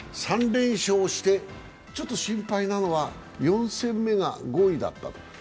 ３連勝して、ちょっと心配なのは４戦目が５位だったと。